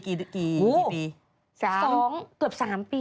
๒เกือบ๓ปีมาก๒ปี